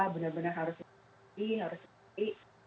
benar benar harus bersih